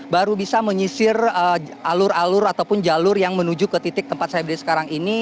baru bisa menyisir alur alur ataupun jalur yang menuju ke titik tempat saya berdiri sekarang ini